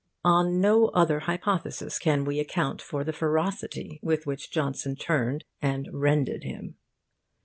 On no other hypothesis can we account for the ferocity with which Johnson turned and rended him.